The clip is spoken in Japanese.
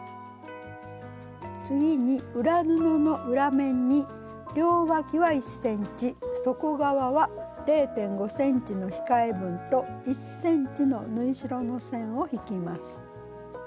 次に裏布の裏面に両わきは１ｃｍ底側は０．５ｃｍの控え分と１ｃｍの縫い代の線を引きます。